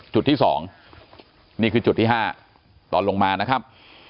จุดที่๒นี่คือจุดที่๕ตอนลงมานะครับ